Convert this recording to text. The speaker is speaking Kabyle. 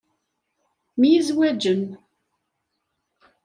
Myizwaǧen.